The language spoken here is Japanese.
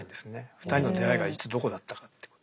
２人の出会いがいつどこだったかっていうことを。